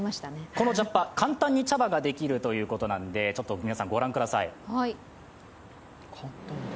このお茶葉、簡単に茶葉ができるということなので、皆さんご覧ください。